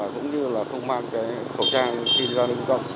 cũng như là không mang cái khẩu trang khi ra đường công